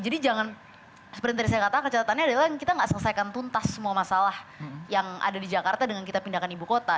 jadi jangan seperti tadi saya katakan catatannya adalah kita nggak selesaikan tuntas semua masalah yang ada di jakarta dengan kita pindahkan ibu kota